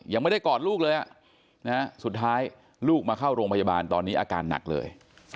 ยังไม่ได้กอดลูกเลยสุดท้ายลูกมาเข้าโรงพยาบาลตอนนี้อาการหนักเลย